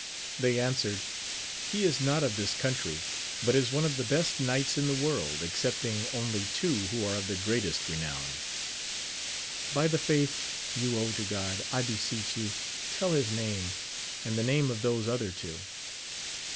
They answered, He is not of this country, but is one of the best knights in the world, excepting only two who are of the greatest renown. — By the faith you owe to God, I beseech you tell his name, and the name of those other two.